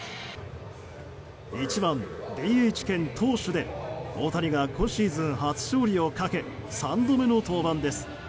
１番ＤＨ兼投手で大谷が今シーズン初勝利をかけ３度目の登板です。